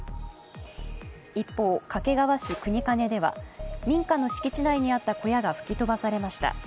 一方、掛川市国包では民家の敷地内にあった小屋が吹き飛ばされました。